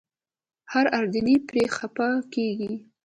هر اردني پرې خپه کېږي.